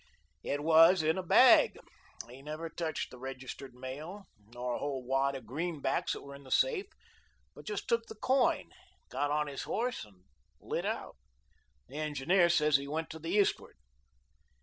It was in a bag. He never touched the registered mail, nor a whole wad of greenbacks that were in the safe, but just took the coin, got on his horse, and lit out. The engineer says he went to the east'ard."